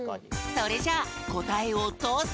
それじゃあこたえをどうぞ！